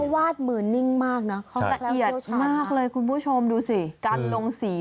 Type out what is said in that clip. วาดมือนิ่งมากนะเขาละเอียดมากเลยคุณผู้ชมดูสิการลงสี